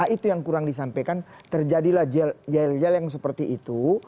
itu yang kurang disampaikan terjadilah yel yel yang seperti itu